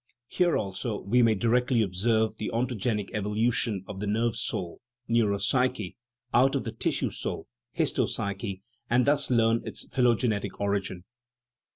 Here, also, we may directly observe the ontogenetic evolution of the nerve soul (neuropsyche) out of the tissue soul (histo psyche), and thus learn its phylogenetic origin.